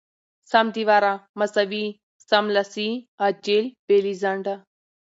سم د واره= سملاسې، عاجل، بې له ځنډه.